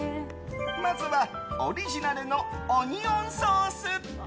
まずはオリジナルのオニオンソース。